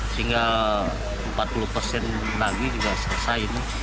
sehingga empat puluh persen lagi sudah selesai